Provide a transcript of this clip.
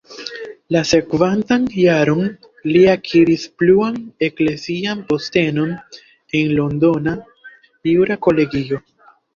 La sekvantan jaron li akiris pluan eklezian postenon en londona jura kolegio.